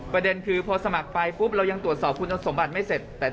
ประเด็นคือพอสมัครไปปุ๊บเรายังตรวจสอบคุณสมบัติไม่เสร็จ